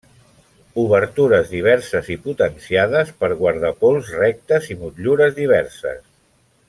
Obertures diverses i potenciades per guardapols rectes i motllures diverses.